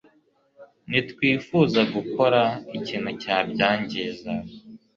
Ntitwifuza gukora ikintu cyabyangiza